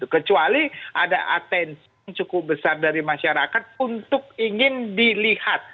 kecuali ada atensi yang cukup besar dari masyarakat untuk ingin dilihat